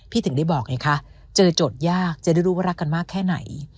ถึงได้บอกไงคะเจอโจทย์ยากจะได้รู้ว่ารักกันมากแค่ไหน